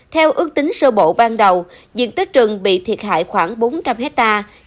theo ước tính sơ bộ ban đầu diện tích rừng bị thiệt hại khoảng bốn trăm linh hectare